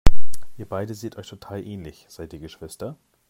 Ihr beide seht euch total ähnlich, seid ihr Geschwister?